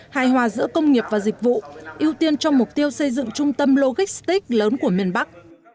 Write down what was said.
hài hòa giữa công nghiệp và dịch vụ ưu tiên cho mục tiêu xây dựng trung tâm logistic lớn của miền bắc